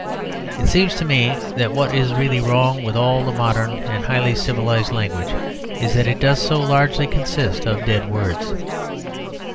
It seems to me that what is really wrong with all modern and highly civilised language is that it does so largely consist of dead words.